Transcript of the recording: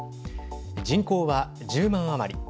人口は１０万余り。